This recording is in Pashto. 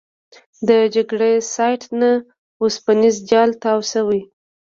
د جګړې سایټ نه اوسپنیز جال تاو شوی.